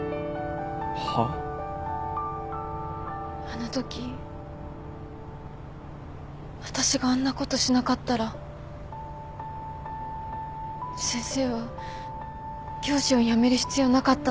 あのとき私があんなことしなかったら先生は教師を辞める必要なかったのに。